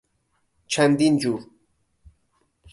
چندین جور....